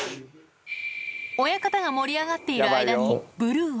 親方が盛り上がっている間に、ブルーは。